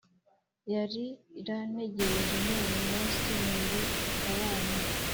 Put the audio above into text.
Yarirantegereje none umunsi nuyu tukabana